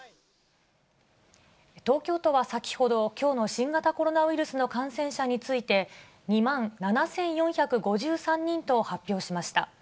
東京都は先ほど、きょうの新型コロナウイルスの感染者について、２万７４５３人と発表しました。